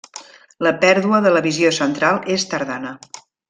La pèrdua de la visió central és tardana.